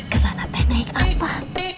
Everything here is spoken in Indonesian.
kesana teh naik apa